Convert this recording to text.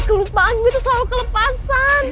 kelupaan gue tuh selalu kelepasan